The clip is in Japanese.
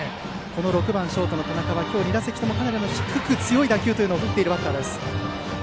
６番ショートの田中は今日２打席ともかなり低く強い打球を振っているバッター。